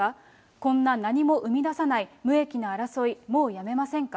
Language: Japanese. こんな何も生み出さない無益な争い、もうやめませんか。